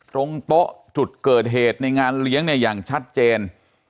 ตรงโต๊ะจุดเกิดเหตุในงานเลี้ยงเนี่ยอย่างชัดเจน